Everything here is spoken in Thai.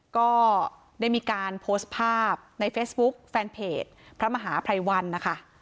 ก็ได้มีการโพสต์ภาพในเฟซบุ๊คแฟนเพจพระมหาภัยวันนะคะ